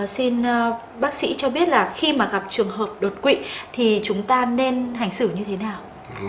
xin bác sĩ cho biết là khi mà gặp trường hợp đột quỵ thì chúng ta nên hành xử như thế nào